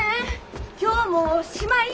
今日もうしまい？